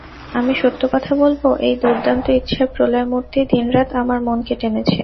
আমি সত্য কথা বলব, এই দুর্দান্ত ইচ্ছার প্রলয়মূর্তি দিন রাত আমার মনকে টেনেছে।